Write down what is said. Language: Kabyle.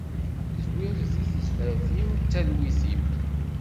Zwir deg tezmert-im d talwit-iw.